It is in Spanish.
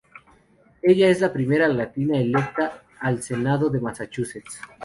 Ella es la primera latina electa al Senado de Massachusetts.